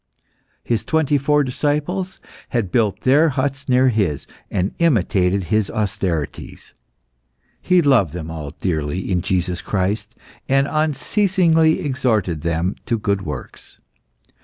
His twenty four disciples had built their huts near his, and imitated his austerities. He loved them all dearly in Jesus Christ, and unceasingly exhorted them to good works.